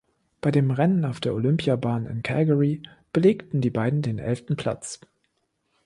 Bei dem Rennen auf der Olympiabahn in Calgary belegten die beiden den elften Platz.